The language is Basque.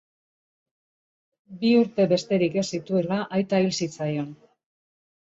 Bi urte besterik ez zituela aita hil zitzaion.